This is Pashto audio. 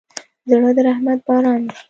زړه د رحمت باران دی.